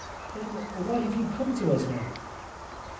"Then why have you come to us now?"